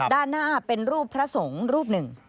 ด้านหน้าเป็นรูปพระสงฆ์รูปหนึ่ง